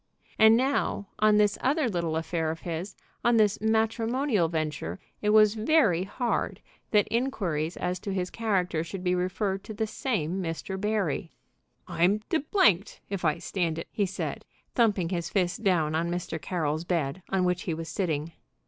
And now, on this other little affair of his, on this matrimonial venture, it was very hard that inquiries as to his character should be referred to the same Mr. Barry. "I'm d if I stand it!" he said, thumping his fist down on Mr. Carroll's bed, on which he was sitting.